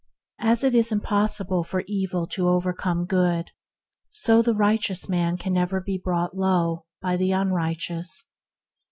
As it is impossible for evil to overcome Good, so the righteous man can never be brought low by the unrighteous.